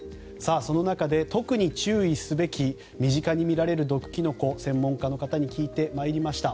その中で特に注意すべき身近に見られる毒キノコ専門家の方に聞いてまいりました。